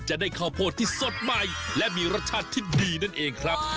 จะได้ข้าวโพดที่สดใหม่และมีรสชาติที่ดีนั่นเองครับ